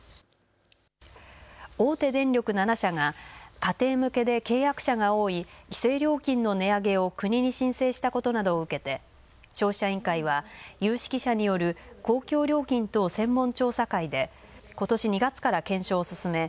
大手電力７社が家庭向けで契約者が多い規制料金の値上げを国に申請したことなどを受けて消費者委員会は有識者による公共料金等専門調査会でことし２月から検証を進め